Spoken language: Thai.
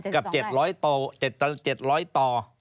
กับ๗๐๐ต่อ